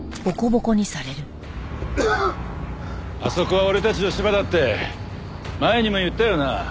あそこは俺たちのシマだって前にも言ったよな。